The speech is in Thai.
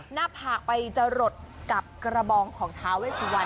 หน้าผากไปจะหลดกับกระบองของท้าเวสุวรรณ